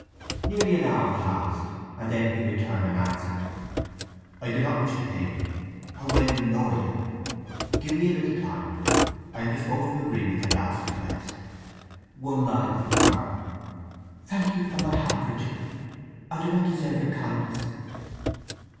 Nearly an hour passed, and then he returned an answer: I do not wish to pain you. How well you know I don't! Give me a little time. I am disposed to agree to your last request. One line from her: Thank you from my heart, Richard. I do not deserve your kindness.